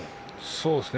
そうですね。